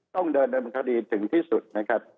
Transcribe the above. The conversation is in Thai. ต้องเดินในประคาดีถึงที่สุดนะครับ